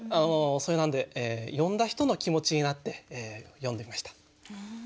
それなんで呼んだ人の気持ちになって詠んでみました。